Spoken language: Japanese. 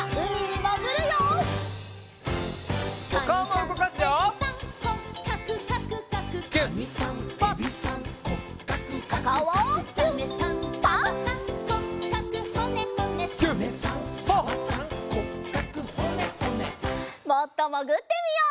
もっともぐってみよう。